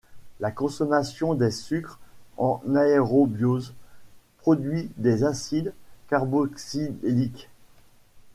La consommation des sucres en aérobiose produit des acides carboxyliques.